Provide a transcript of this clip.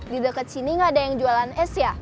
di deket sini gak ada yang jualan es ya